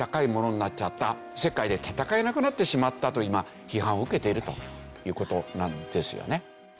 世界で戦えなくなってしまったと今批判を受けているという事なんですよね。